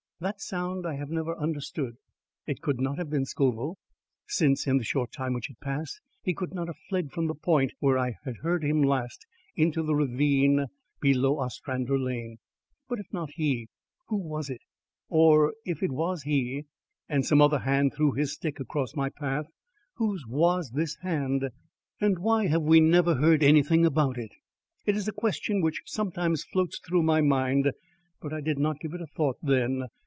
That sound I have never understood. It could not have been Scoville since in the short time which had passed, he could not have fled from the point where I heard him last into the ravine below Ostrander Lane. But if not he, who was it? Or if it was he, and some other hand threw his stick across my path, whose was this hand and why have we never heard anything about it? It is a question which sometimes floats through my mind, but I did not give it a thought then.